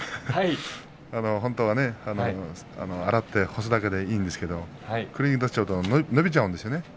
本当は洗って干すだけでいいんですけれどクリーニングに出しちゃうと伸びちゃうんですよね。